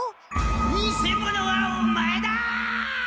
偽者はオマエだ！